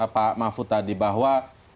pak mahfud tadi bahwa